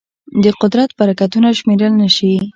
د قدرت برکتونه شمېرل نهشي.